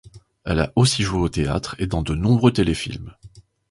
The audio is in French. Elle a aussi joué au théâtre et dans de nombreux téléfilms.